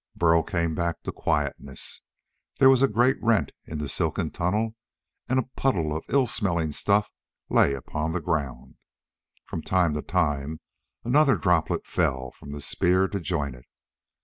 Burl came back to quietness. There was a great rent in the silken tunnel, and a puddle of ill smelling stuff lay upon the ground. From time to time another droplet fell from the spear to join it.